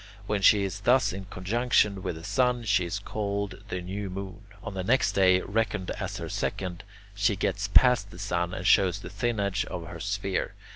When she is thus in conjunction with the sun, she is called the new moon. On the next day, reckoned as her second, she gets past the sun and shows the thin edge of her sphere.